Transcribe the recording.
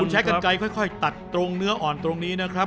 ใช้กันไกลค่อยตัดตรงเนื้ออ่อนตรงนี้นะครับ